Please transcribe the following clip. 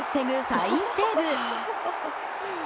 ファインセーブ。